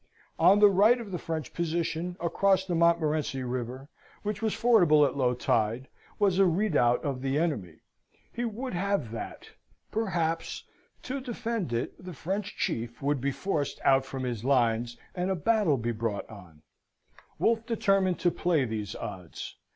On the right of the French position, across the Montmorenci River, which was fordable at low tide, was a redoubt of the enemy. He would have that. Perhaps, to defend it the French chief would be forced out from his lines, and a battle be brought on. Wolfe determined to play these odds.